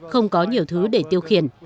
không có nhiều thứ để tiêu khiển